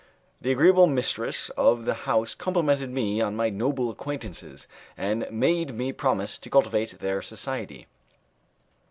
The agreeable mistress of the house complimented me on my noble acquaintances, and made me promise to cultivate their society.